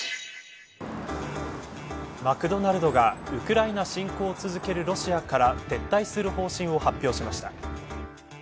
マクドナルドがウクライナ侵攻を続けるロシアから撤退する方針を発表しました。